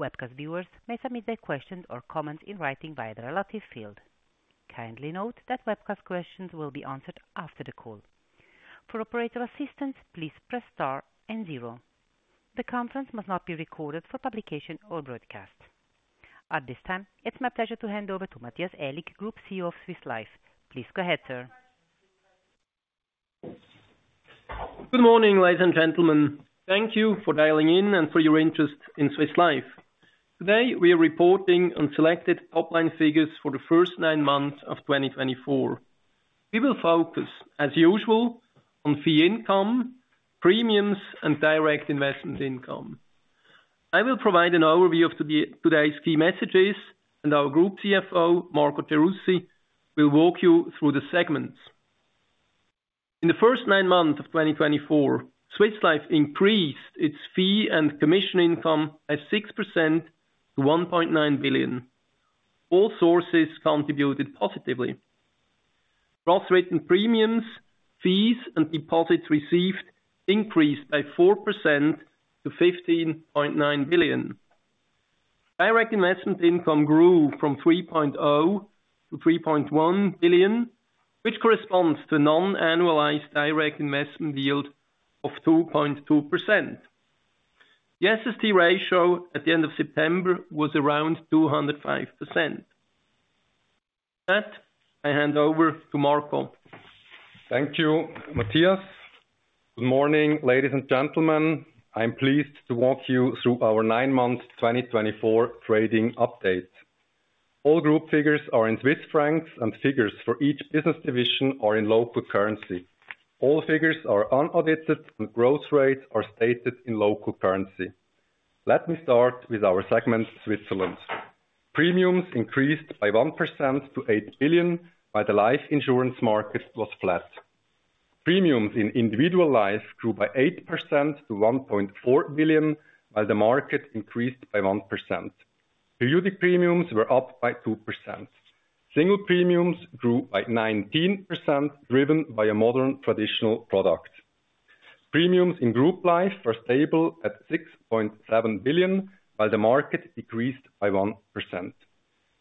Webcast viewers may submit their questions or comments in writing via the relevant field. Kindly note that webcast questions will be answered after the call. For Operator assistance, please press star and zero. The conference must not be recorded for publication or broadcast. At this time, it's my pleasure to hand over to Matthias Aellig, Group CEO of Swiss Life. Please go ahead, sir. Good morning, ladies, and gentlemen. Thank you for dialing in and for your interest in Swiss Life. Today, we are reporting on selected top-line figures for the first nine months of 2024. We will focus, as usual, on fee income, premiums, and direct investment income. I will provide an overview of today's key messages, and our Group CFO, Marco Gerussi, will walk you through the segments. In the first nine months of 2024, Swiss Life increased its fee and commission income by 6% to 1.9 billion. All sources contributed positively. Gross written premiums, fees, and deposits received increased by 4% to 15.9 billion. Direct investment income grew from 3.0 billion-3.1 billion, which corresponds to a non-annualized direct investment yield of 2.2%. The SST ratio at the end of September was around 205%. With that, I hand over to Marco. Thank you, Matthias. Good morning, ladies, and gentlemen. I'm pleased to walk you through our nine-month 2024 trading update. All group figures are in Swiss francs, and figures for each business division are in local currency. All figures are unaudited, and growth rates are stated in local currency. Let me start with our segment, Switzerland. Premiums increased by 1% to 8 billion, while the life insurance market was flat. Premiums in individual life grew by 8% to 1.4 billion, while the market increased by 1%. Periodic premiums were up by 2%. Single premiums grew by 19%, driven by a modern traditional product. Premiums in group life were stable at 6.7 billion, while the market decreased by 1%.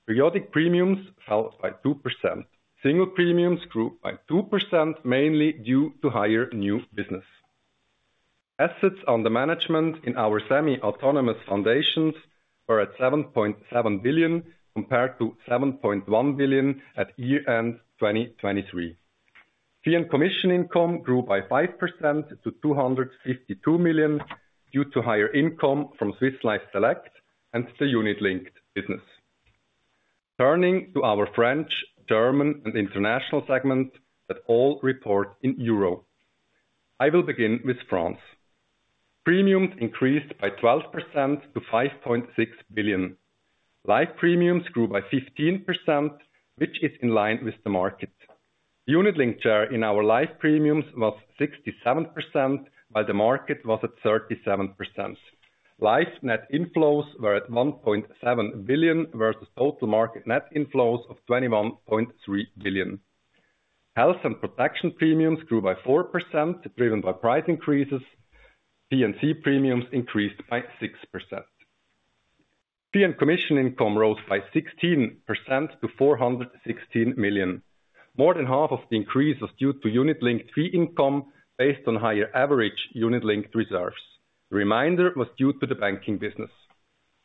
Periodic premiums fell by 2%. Single premiums grew by 2%, mainly due to higher new business. Assets under management in our semi-autonomous foundations were at 7.7 billion, compared to 7.1 billion at year-end 2023. Fee and commission income grew by 5% to 252 million due to higher income from Swiss Life Select and the unit-linked business. Turning to our French, German, and international segment that all report in euro, I will begin with France. Premiums increased by 12% to 5.6 billion. Life premiums grew by 15%, which is in line with the market. The unit-linked share in our life premiums was 67%, while the market was at 37%. Life net inflows were at 1.7 billion versus total market net inflows of 21.3 billion. Health and protection premiums grew by 4%, driven by price increases. P&C premiums increased by 6%. Fee and commission income rose by 16% to 416 million. More than half of the increase was due to unit-linked fee income based on higher average unit-linked reserves. The remainder was due to the banking business.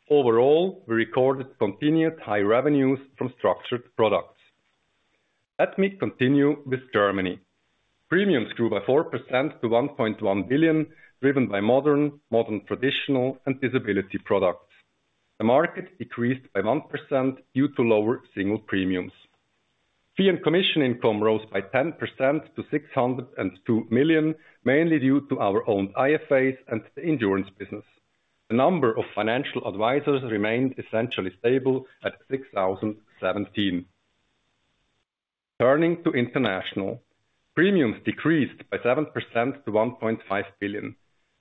Overall, we recorded continued high revenues from structured products. Let me continue with Germany. Premiums grew by 4% to 1.1 billion, driven by modern traditional, and disability products. The market decreased by 1% due to lower single premiums. Fee and commission income rose by 10% to 602 million, mainly due to our own IFAs and the insurance business. The number of financial advisors remained essentially stable at 6,017. Turning to international, premiums decreased by 7% to 1.5 billion.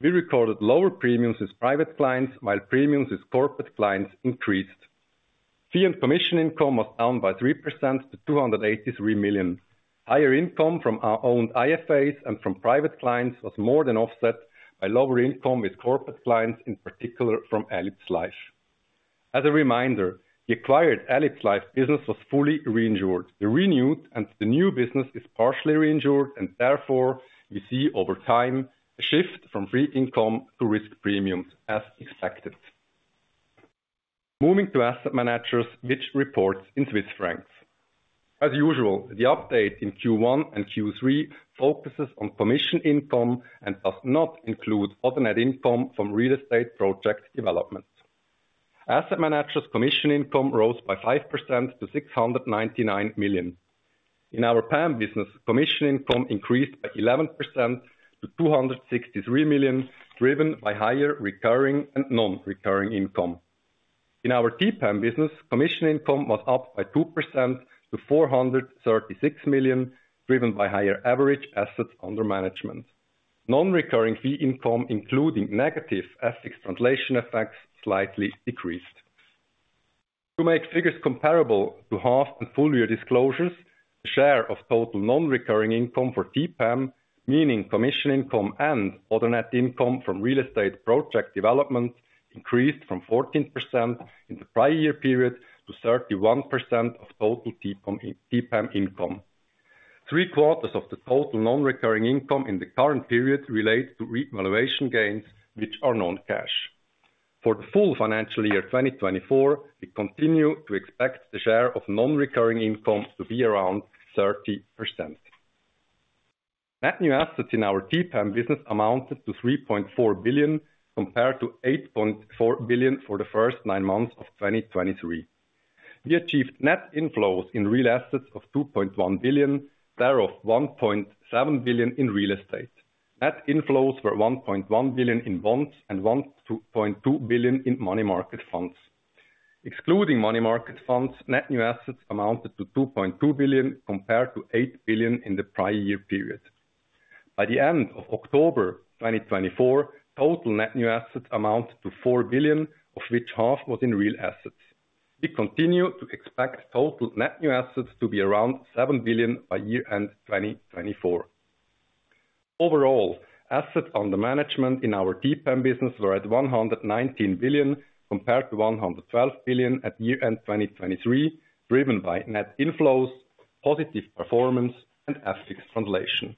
We recorded lower premiums with private clients, while premiums with corporate clients increased. Fee and commission income was down by 3% to 283 million. Higher income from our own IFAs and from private clients was more than offset by lower income with corporate clients, in particular from elipsLife. As a reminder, the acquired elipsLife business was fully reinsured. The renewed and the new business is partially reinsured, and therefore, we see over time a shift from fee income to risk premiums, as expected. Moving to asset managers, which report in Swiss francs. As usual, the update in Q1 and Q3 focuses on commission income and does not include other net income from real estate project development. Asset managers' commission income rose by 5% to 699 million. In our PAM business, commission income increased by 11% to 263 million, driven by higher recurring and non-recurring income. In our TPAM business, commission income was up by 2% to 436 million, driven by higher average assets under management. Non-recurring fee income, including negative FX translation effects, slightly decreased. To make figures comparable to half and full year disclosures, the share of total non-recurring income for TPAM, meaning commission income and other net income from real estate project development, increased from 14% in the prior year period to 31% of total TPAM income. Three quarters of the total non-recurring income in the current period relate to revaluation gains, which are non-cash. For the full financial year 2024, we continue to expect the share of non-recurring income to be around 30%. Net new assets in our TPAM business amounted to 3.4 billion, compared to 8.4 billion for the first nine months of 2023. We achieved net inflows in real assets of 2.1 billion, thereof 1.7 billion in real estate. Net inflows were 1.1 billion in bonds and 1.2 billion in money market funds. Excluding money market funds, net new assets amounted to 2.2 billion, compared to 8 billion in the prior year period. By the end of October 2024, total net new assets amounted to 4 billion, of which half was in real assets. We continue to expect total net new assets to be around 7 billion by year-end 2024. Overall, assets under management in our TPAM business were at 119 billion, compared to 112 billion at year-end 2023, driven by net inflows, positive performance, and FX translation.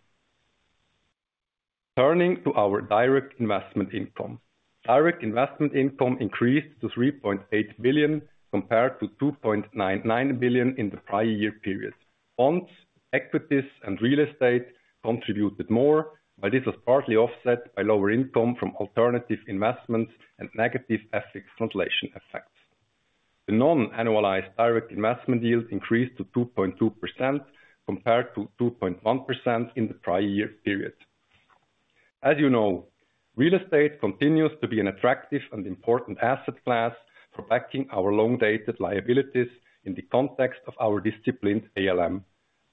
Turning to our direct investment income, direct investment income increased to 3.8 billion, compared to 2.99 billion in the prior year period. Bonds, equities, and real estate contributed more, but this was partly offset by lower income from alternative investments and negative FX translation effects. The non-annualized direct investment yield increased to 2.2%, compared to 2.1% in the prior year period. As you know, real estate continues to be an attractive and important asset class for backing our long-dated liabilities in the context of our disciplined ALM.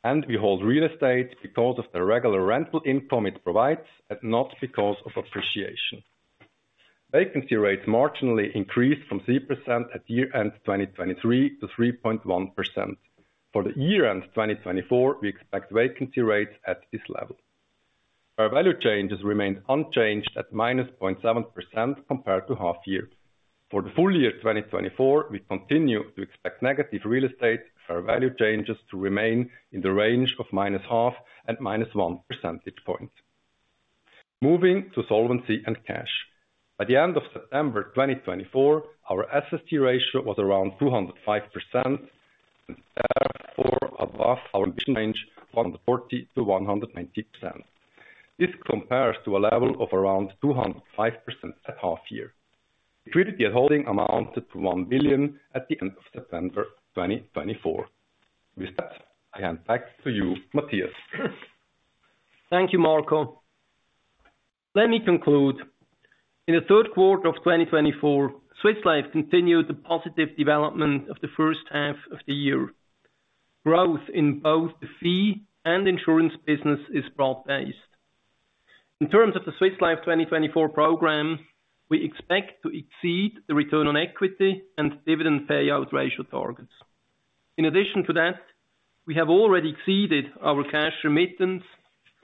And we hold real estate because of the regular rental income it provides, and not because of appreciation. Vacancy rates marginally increased from 0% at year-end 2023 to 3.1%. For the year-end 2024, we expect vacancy rates at this level. Fair value changes remained unchanged at -0.7% compared to half-year. For the full year 2024, we continue to expect negative real estate fair value changes to remain in the range of -0.5 and -1 percentage point. Moving to solvency and cash. By the end of September 2024, our SST ratio was around 205%, and therefore above our ambition range, 140%-190%. This compares to a level of around 205% at half-year. Liquidity at holding amounted to 1 billion at the end of September 2024. With that, I hand back to you, Matthias. Thank you, Marco. Let me conclude. In the third quarter of 2024, Swiss Life continued the positive development of the first half of the year. Growth in both the fee and insurance business is broad-based. In terms of the Swiss Life 2024 program, we expect to exceed the return on equity and dividend payout ratio targets. In addition to that, we have already exceeded our cash remittance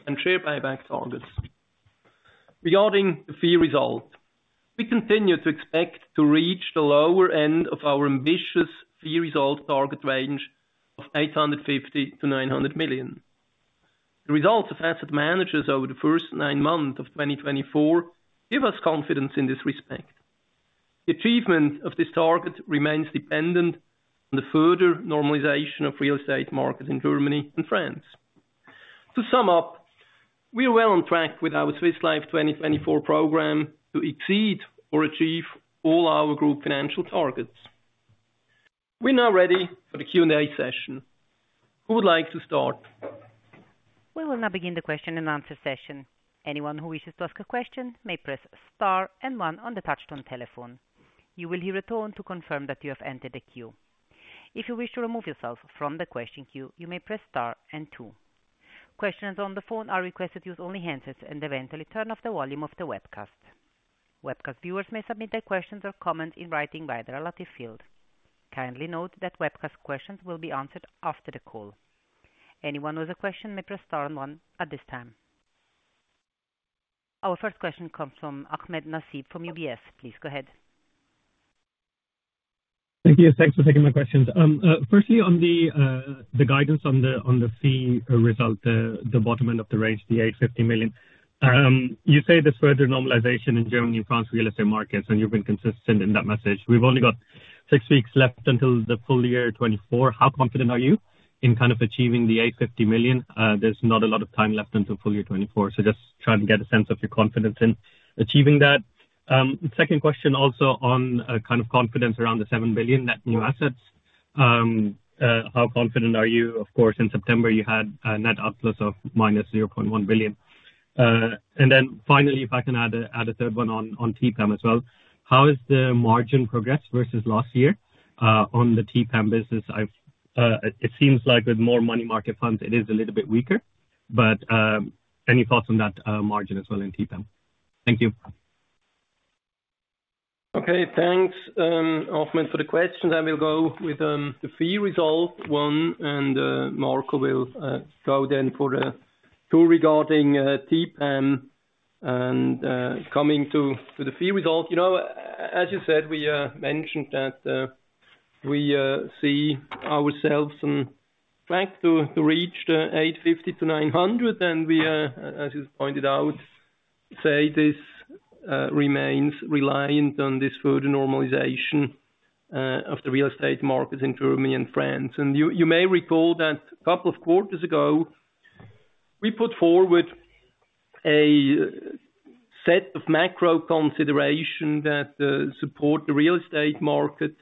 and share buyback targets. Regarding the fee result, we continue to expect to reach the lower end of our ambitious fee result target range of 850 million-900 million. The results of asset managers over the first nine months of 2024 give us confidence in this respect. The achievement of this target remains dependent on the further normalization of real estate markets in Germany and France. To sum up, we are well on track with our Swiss Life 2024 program to exceed or achieve all our group financial targets. We're now ready for the Q&A session. Who would like to start? We will now begin the question and answer session. Anyone who wishes to ask a question may press star and one on the touch-tone telephone. You will hear a tone to confirm that you have entered the queue. If you wish to remove yourself from the question queue, you may press star and two. Questions on the phone are requested to use only handsets and eventually turn off the volume of the webcast. Webcast viewers may submit their questions or comments in writing via the relevant field. Kindly note that webcast questions will be answered after the call. Anyone with a question may press star and one at this time. Our first question comes from Nasib Ahmed from UBS. Please go ahead. Thank you. Thanks for taking my questions. Firstly, on the guidance on the fee result, the bottom end of the range, the 850 million, you say there's further normalization in Germany and France real estate markets, and you've been consistent in that message. We've only got six weeks left until the full year 2024. How confident are you in kind of achieving the 850 million? There's not a lot of time left until full year 2024, so just trying to get a sense of your confidence in achieving that. Second question also on kind of confidence around the 7 billion net new assets. How confident are you? Of course, in September, you had a net outflow of -0.1 billion. And then finally, if I can add a third one on TPAM as well, how has the margin progressed versus last year on the TPAM business? It seems like with more money market funds, it is a little bit weaker, but any thoughts on that margin as well in TPAM? Thank you. Okay, thanks, Ahmed, for the questions. I will go with the fee result one, and Marco will go then for two regarding TPAM and coming to the fee result. You know, as you said, we mentioned that we see ourselves and trying to reach the 850-900, and we, as you pointed out, say this remains reliant on this further normalization of the real estate markets in Germany and France, and you may recall that a couple of quarters ago, we put forward a set of macro considerations that support the real estate market.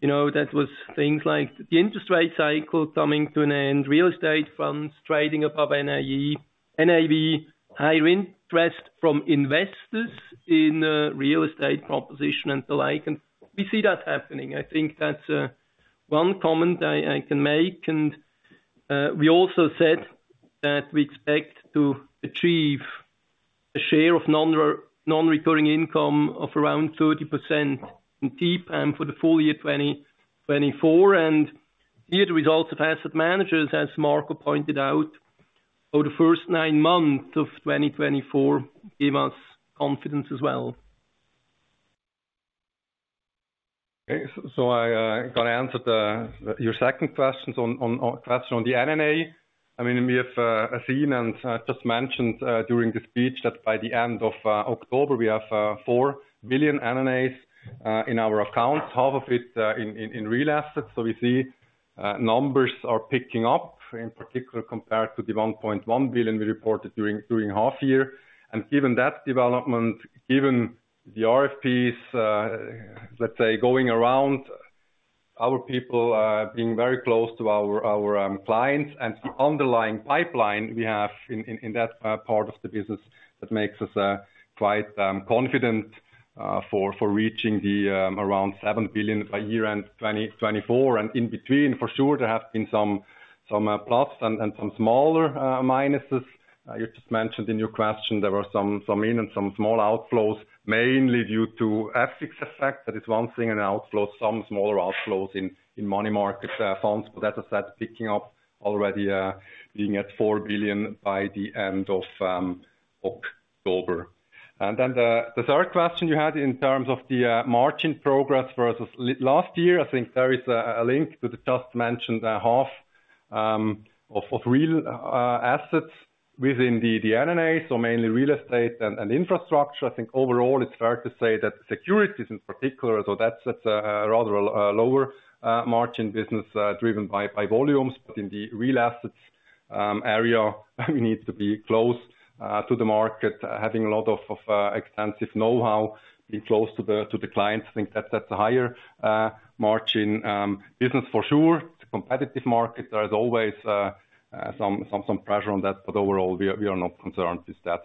You know, that was things like the interest rate cycle coming to an end, real estate funds trading above NAV, higher interest from investors in real estate proposition and the like, and we see that happening. I think that's one comment I can make. We also said that we expect to achieve a share of non-recurring income of around 30% in TPAM for the full year 2024. Here the results of asset managers, as Marco pointed out, over the first nine months of 2024 gave us confidence as well. Okay, so I'm going to answer your second question on the NNA. I mean, we have seen and just mentioned during the speech that by the end of October, we have 4 billion NNAs in our accounts, 2 billion of it in real assets. We see numbers are picking up, in particular compared to the 1.1 billion we reported during half-year. And given that development, given the RFPs, let's say, going around, our people being very close to our clients and the underlying pipeline we have in that part of the business that makes us quite confident for reaching around 7 billion by year-end 2024. And in between, for sure, there have been some plus and some smaller minuses. You just mentioned in your question there were some in and some small outflows, mainly due to FX effects. That is one thing, and outflows, some smaller outflows in money market funds, but that has had picking up already being at 4 billion by the end of October, and then the third question you had in terms of the margin progress versus last year. I think there is a link to the just mentioned half of real assets within the NNA, so mainly real estate and infrastructure. I think overall, it's fair to say that securities in particular, so that's a rather lower margin business driven by volumes, but in the real assets area, we need to be close to the market, having a lot of extensive know-how, being close to the clients. I think that's a higher margin business for sure. It's a competitive market. There is always some pressure on that, but overall, we are not concerned with that.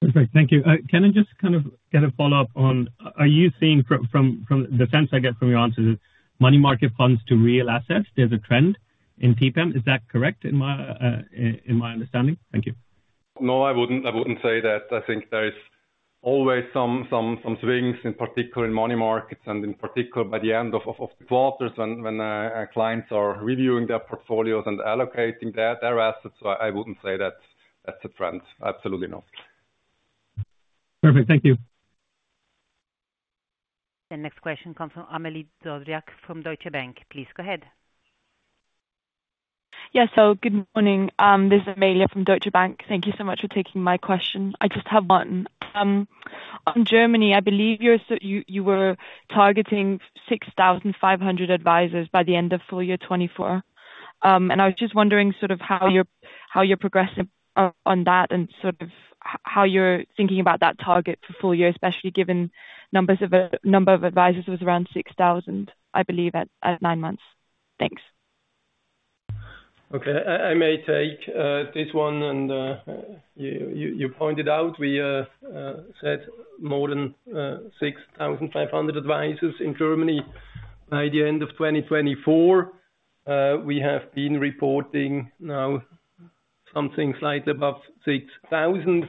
Perfect. Thank you. Can I just kind of get a follow-up on, are you seeing from the sense I get from your answers, money market funds to real assets, there's a trend in TPAM? Is that correct in my understanding? Thank you. No, I wouldn't say that. I think there's always some swings, in particular in money markets, and in particular by the end of the quarters when clients are reviewing their portfolios and allocating their assets. So I wouldn't say that's a trend. Absolutely not. Perfect. Thank you. The next question comes from Amelie Doriac from Deutsche Bank. Please go ahead. Yes, so good morning. This is Amelie Doriac from Deutsche Bank. Thank you so much for taking my question. I just have one. On Germany, I believe you were targeting 6,500 advisors by the end of full year 2024. And I was just wondering sort of how you're progressing on that and sort of how you're thinking about that target for full year, especially given the number of advisors was around 6,000, I believe, at nine months. Thanks. Okay, I may take this one, and you pointed out we said more than 6,500 advisors in Germany by the end of 2024. We have been reporting now something slightly above 6,000,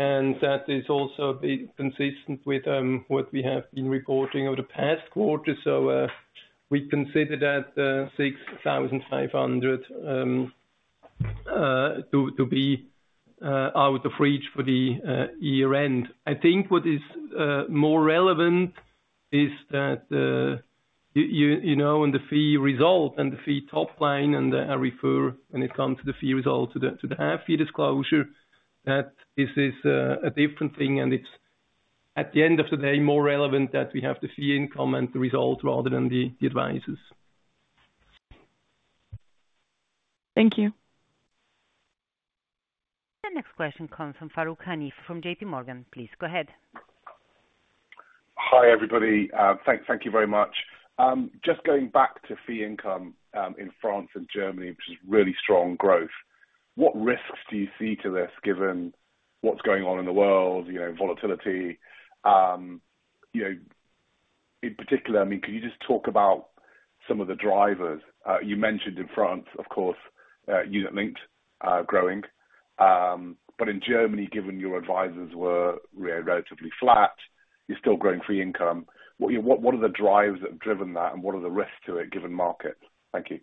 and that is also consistent with what we have been reporting over the past quarter, so we consider that 6,500 to be out of reach for the year-end. I think what is more relevant is that you know on the fee result and the fee top line, and I refer when it comes to the fee result to the half-year disclosure, that this is a different thing, and it's, at the end of the day, more relevant that we have the fee income and the result rather than the advisors. Thank you. The next question comes from Farooq Hanif from JPMorgan. Please go ahead. Hi everybody. Thank you very much. Just going back to fee income in France and Germany, which is really strong growth, what risks do you see to this given what's going on in the world, volatility? In particular, I mean, could you just talk about some of the drivers? You mentioned in France, of course, unit-linked growing, but in Germany, given your advisors were relatively flat, you're still growing fee income. What are the drivers that have driven that, and what are the risks to it given markets? Thank you.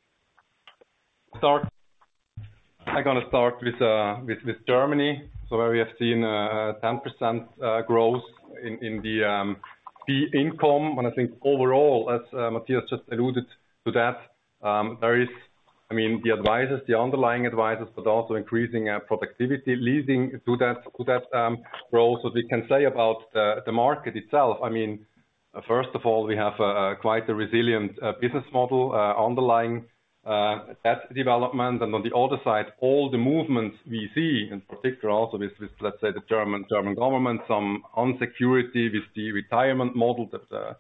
I'm going to start with Germany. So where we have seen 10% growth in the fee income. And I think overall, as Matthias just alluded to that, there is, I mean, the advisors, the underlying advisors, but also increasing productivity leading to that growth. What we can say about the market itself, I mean, first of all, we have quite a resilient business model underlying that development. And on the other side, all the movements we see in particular also with, let's say, the German government, some uncertainty with the retirement model, the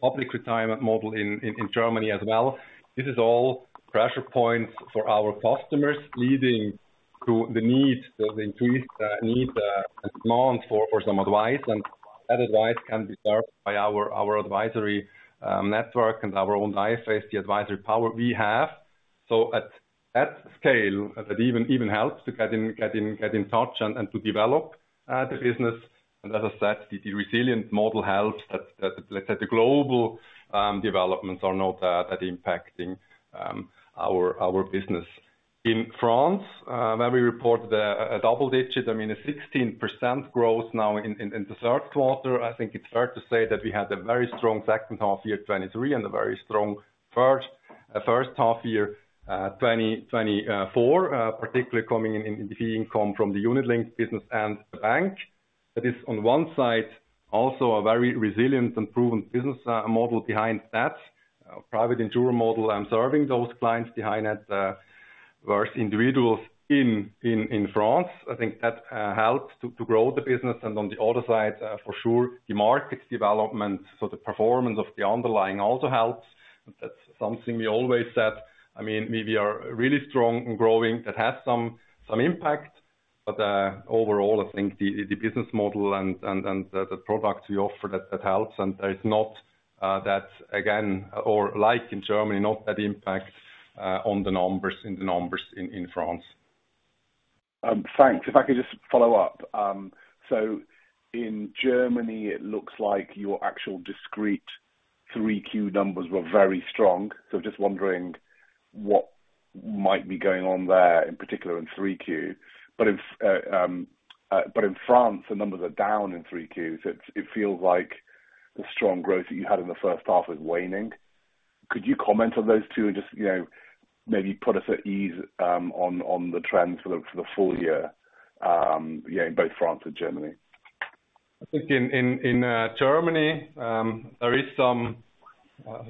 public retirement model in Germany as well. This is all pressure points for our customers leading to the need, the increased need and demand for some advice. And that advice can be served by our advisory network and our own IFAs, the advisory power we have. So at that scale, that even helps to get in touch and to develop the business. And as I said, the resilient model helps that, let's say, the global developments are not that impacting our business. In France, where we reported a double digit, I mean, a 16% growth now in the third quarter. I think it's fair to say that we had a very strong second half year 2023 and a very strong first half year 2024, particularly coming in the fee income from the unit-linked business and the bank. That is, on one side, also a very resilient and proven business model behind that, a private insurer model serving those clients behind that versus individuals in France. I think that helps to grow the business. And on the other side, for sure, the market development, so the performance of the underlying also helps. That's something we always said. I mean, we are really strong and growing. That has some impact. But overall, I think the business model and the products we offer that helps. And there is not that, again, or like in Germany, not that impact on the numbers in France? Thanks. If I could just follow up. So in Germany, it looks like your actual discrete 3Q numbers were very strong. So just wondering what might be going on there in particular in 3Q. But in France, the numbers are down in 3Q. So it feels like the strong growth that you had in the first half is waning. Could you comment on those two and just maybe put us at ease on the trends for the full year in both France and Germany? I think in Germany, there is some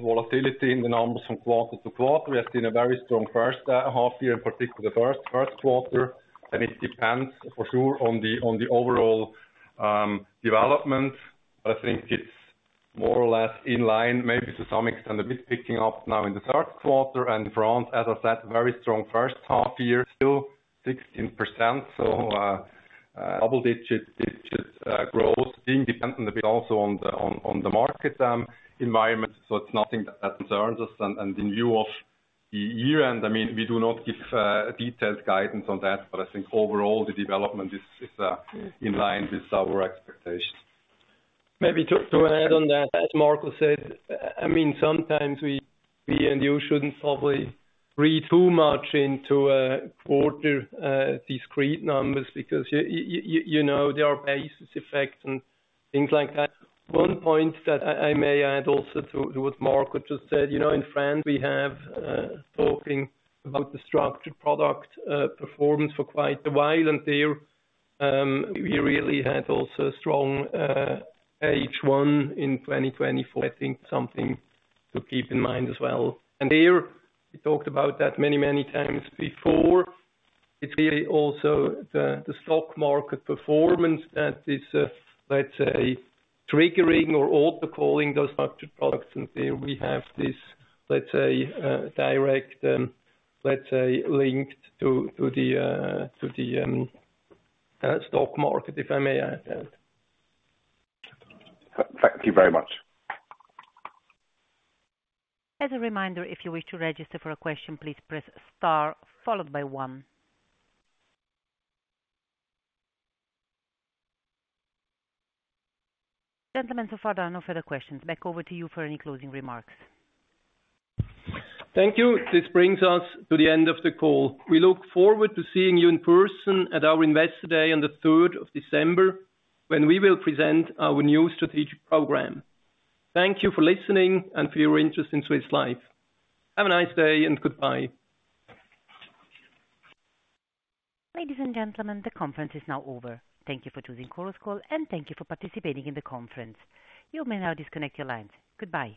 volatility in the numbers from quarter-to-quarter. We have seen a very strong first half year, in particular the first quarter, and it depends for sure on the overall development, but I think it's more or less in line, maybe to some extent a bit picking up now in the third quarter, and France, as I said, very strong first half year, still 16%, so double digit growth, being dependent a bit also on the market environment, so it's nothing that concerns us, and in view of the year-end, I mean, we do not give detailed guidance on that, but I think overall the development is in line with our expectations. Maybe to add on that, as Marco said, I mean, sometimes we and you shouldn't probably read too much into quarter discrete numbers because you know there are basis effects and things like that. One point that I may add also to what Marco just said, you know in France, we have talking about the structured product performance for quite a while. And there, we really had also a strong H1 in 2024. I think something to keep in mind as well. And there, we talked about that many, many times before. It's really also the stock market performance that is, let's say, triggering or overhauling those structured products. And there we have this, let's say, direct, let's say, linked to the stock market, if I may add that. Thank you very much. As a reminder, if you wish to register for a question, please press star followed by one. Gentlemen, so far, there are no further questions. Back over to you for any closing remarks. Thank you. This brings us to the end of the call. We look forward to seeing you in person at our investor day on the 3rd of December when we will present our new strategic program. Thank you for listening and for your interest in Swiss Life. Have a nice day and goodbye. Ladies, and gentlemen, the conference is now over. Thank you for choosing Chorus Call, and thank you for participating in the conference. You may now disconnect your lines. Goodbye.